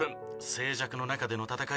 静寂の中での戦い